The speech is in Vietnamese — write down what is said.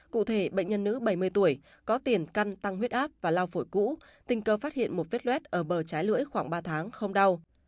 cụ thể bệnh nhân nữ bảy mươi tuổi có tiền căn tăng huyết áp và lao phổi cũ tình cơ phát hiện một vết luet ở bờ trái lưỡi khoảng ba tháng không đau